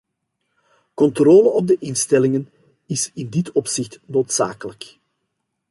Controle op de instellingen is in dit opzicht noodzakelijk.